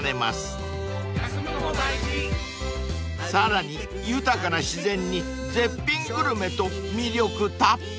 ［さらに豊かな自然に絶品グルメと魅力たっぷり］